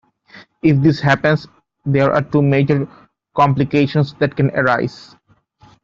If this happens, there are two major complications that can arise.